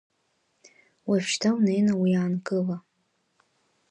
Уажәшьҭа унеины уи аанкыла?!